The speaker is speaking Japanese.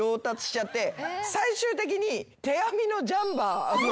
最終的に。